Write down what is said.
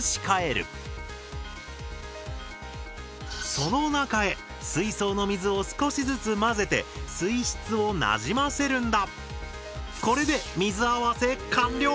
その中へ水槽の水を少しずつ混ぜて水質をなじませるんだ。